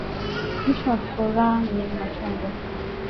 Mwisho wa furah ni machungu